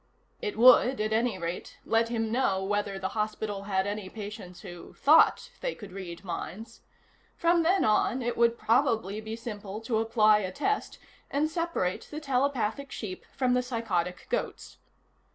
It would, at any rate, let him know whether the hospital had any patients who thought they could read minds. From them on, it would probably be simple to apply a test, and separate the telepathic sheep from the psychotic goats.